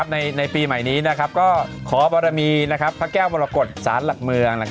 ในปีใหม่นี้ก็ขอบรมีพระแก้วมรกฏศาลหลักเมือง